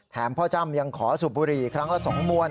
พ่อจ้ำยังขอสูบบุหรี่ครั้งละ๒มวล